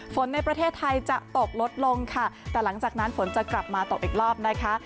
ในประเทศไทยจะตกลดลงค่ะแต่หลังจากนั้นฝนจะกลับมาตกอีกรอบนะคะ